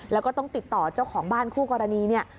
แล้วก็ต้องติดต่อเจ้าของบ้านคู่กรณีเนี่ย